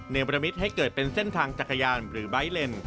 ประมิตให้เกิดเป็นเส้นทางจักรยานหรือไบท์เลน